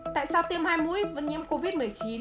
tại sao tiêm hai mũi vẫn nhiễm covid một mươi chín